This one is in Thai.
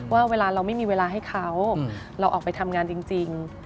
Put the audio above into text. ว่าเวลาเราไม่มีเวลาให้เขาเราออกไปทำงานจริง